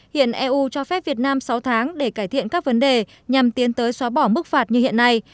hiện eu cho phép việt nam sáu tháng để cải thiện các vấn đề nhằm tiến tới xóa bỏ mức phạt như hiện nay